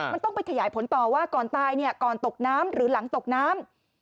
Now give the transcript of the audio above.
มันต้องไปขยายผลต่อว่าก่อนตายเนี่ยก่อนตกน้ำหรือหลังตกน้ำ